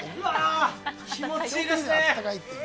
気持ちいいですね。